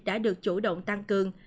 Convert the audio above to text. đã được chủ động tăng cường